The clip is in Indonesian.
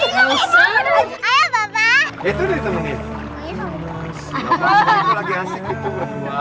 jangan disitu pegangan sama papa disitu tangannya